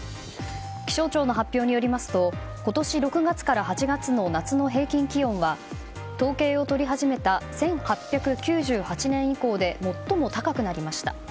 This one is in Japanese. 気象庁の発表によりますと今年６月から８月の夏の平均気温は統計を取り始めた１８９８年以降で最も高くなりました。